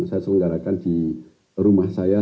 saya selenggarakan di rumah saya